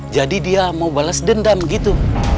jadi dia mau balas dendam gitu